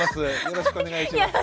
よろしくお願いします。